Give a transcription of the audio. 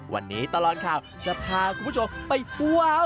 วันนี้ตลอดข่าวจะพาคุณผู้ชมไปทว้าว